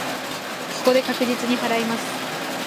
ここで確実に祓います。